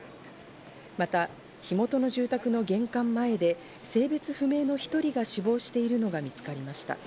また火元の住宅の玄関前で性別不明の１人が死亡しているのが見つかりました。